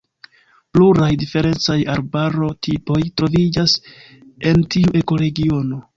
Pluraj diferencaj arbaro-tipoj troviĝas en tiu ekoregiono.